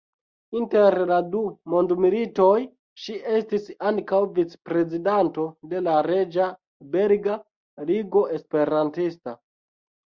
Inter la du mondmilitoj ŝi estis ankaŭ vicprezidanto de la Reĝa Belga Ligo Esperantista.